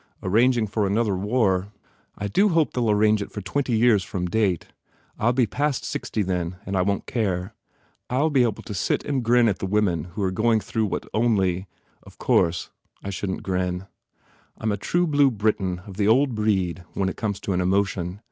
"Arranging for another war." "I do hope they ll arrange it for twenty years from date. I ll be past sixty then and I won t care. I ll be able to sit and grin at the women who re going through what Only, of course, I shouldn t grin. I m a true blue Briton of the old breed when it comes to an emotion.